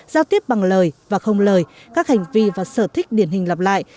giao tiếp bằng lời và không lời các hành vi và sở thích điển hình lặp lại